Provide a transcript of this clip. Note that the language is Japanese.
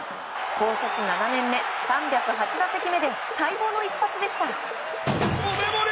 高卒７年目、３０８打席目で待望の一発でした。